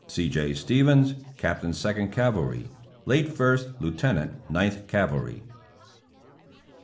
C. J. Stevens, Captain Second Cavalry. (Late First Lieutenant Ninth Cavalry.)